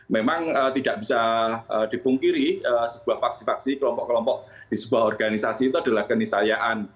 memang tidak bisa dipungkiri sebuah faksi faksi kelompok kelompok di sebuah organisasi itu adalah kenisayaan